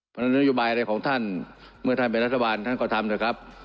มันจะยุบายอะไรของท่านเมื่อท่านเป็นรัฐบาลท่านก็ทำเถอะครับ